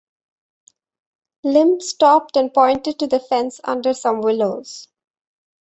Limb stopped and pointed to the fence under some willows.